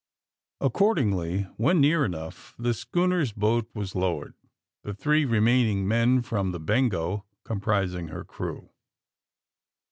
Accordingly, when near enough, the schoon er's boat was lowered, the three remaining men from the ^^Bengo" comprising her crew.